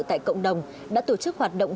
tại cộng đồng đã tổ chức hoạt động